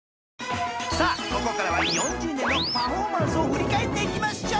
［ここからは４０年のパフォーマンスを振り返っていきましょう］